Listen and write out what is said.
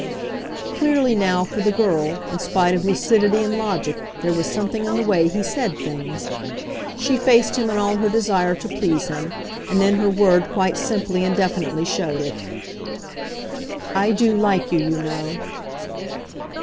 Clearly now, for the girl, in spite of lucidity and logic, there was something in the way he said things ! She faced him in all her desire to please him, and then her word quite simply and definitely showed it. "I do like you, you know."